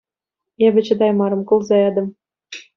Эпӗ чӑтаймарӑм, кулса ятӑм.